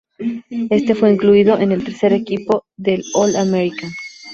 En fue incluido en el tercer equipo del All-American.